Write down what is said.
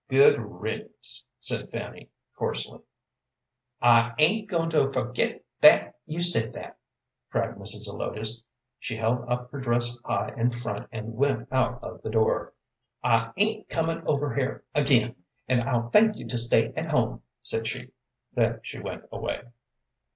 "Good riddance," said Fanny, coarsely. "I ain't goin' to forget that you said that," cried Mrs. Zelotes. She held up her dress high in front and went out of the door. "I ain't comin' over here again, an' I'll thank you to stay at home," said she. Then she went away.